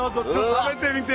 食べてみて。